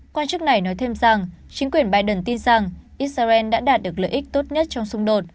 quan chức này nói thêm rằng chính quyền biden tin rằng israel đã đạt được lợi ích tốt nhất trong xung đột